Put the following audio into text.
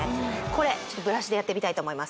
これちょっとブラシでやってみたいと思います